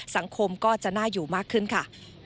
สังคมก็จะน่าอยู่มากขึ้นค่ะ